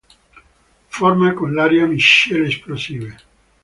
Forma con l'aria miscele esplosive.